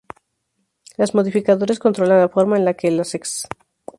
Los modificadores controlan la forma en que las exp.